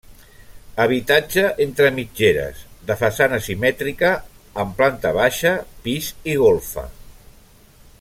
Habitatge entre mitgeres, de façana simètrica, amb planta baixa, pis i golfa.